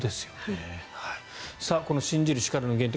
この信じる力の原点。